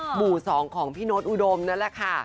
หมู่๒ของพี่โน๊ตอุดมนั่นแหละค่ะ